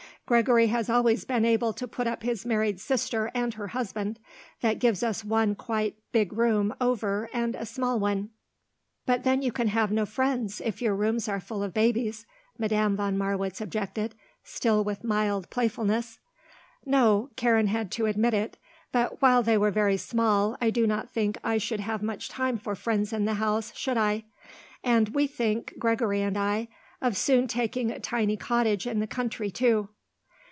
Gregory has always been able to put up his married sister and her husband; that gives us one quite big room over and a small one." "But then you can have no friends if your rooms are full of babies," Madame von Marwitz objected, still with mild playfulness. "No," Karen had to admit it; "but while they were very small I do not think I should have much time for friends in the house, should I. And we think, Gregory and I, of soon taking a tiny cottage in the country, too."